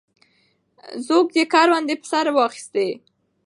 زوږ یې کروندې په سر واخیستې.